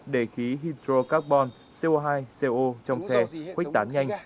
để khí hydrocarbon co hai co trong xe khuếch tán nhanh